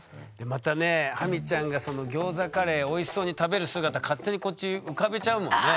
またねハミちゃんがそのギョーザカレーおいしそうに食べる姿勝手にこっち浮かべちゃうもんね。